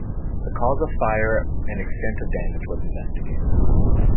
The cause of fire and extent of damage was investigated.